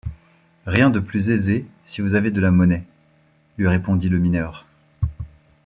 Rien de plus aisé, si vous avez de la monnaie ! lui répondit le mineur.